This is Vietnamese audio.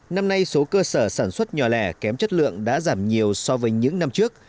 năm nay số cơ sở sản xuất nhỏ lẻ kém chất lượng đã giảm nhiều so với những năm trước